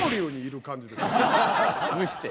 蒸して？